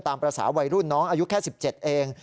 ตามภาษาวัยรุ่นน้องอายุแค่๑๗เอง